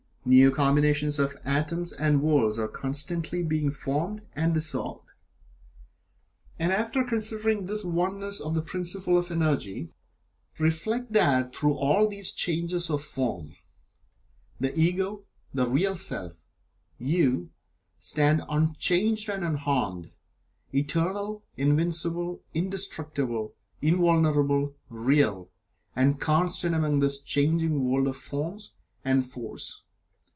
New combinations of atoms and worlds are constantly being formed and dissolved. And after considering this Oneness of the principle of Energy, reflect that through all these changes of form the Ego the Real Self YOU stand unchanged and unharmed Eternal, Invincible, Indestructible, Invulnerable, Real and Constant among this changing world of forms and force.